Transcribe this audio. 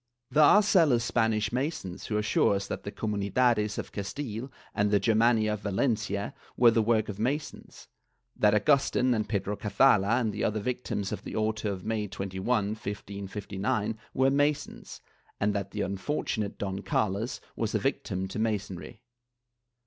^ There are zealous Spanish Masons who assure us that the Comunidades of Castile and the Germania of Valencia were the work of Masons; that Agustin and Pedro Cazalla and the other victims of the auto of May 21, 1559 were Masons, and that the unfortunate Don Carlos was a victim to Masonry.